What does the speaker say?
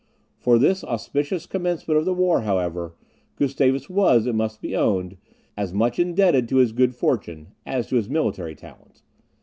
For this auspicious commencement of the war, however, Gustavus was, it must be owned, as much indebted to his good fortune as to his military talents.